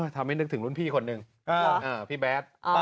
ทำให้นึกถึงรุ่นพี่คนหนึ่งพี่แบท